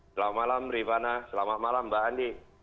selamat malam rifana selamat malam mbak andi